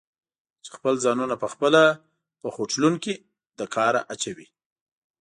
چې خپل ځانونه پخپله په خوټلون کې له کاره اچوي؟